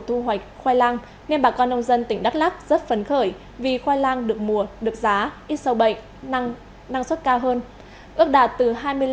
ước đạt từ hai mươi năm đến ba mươi tấn một hectare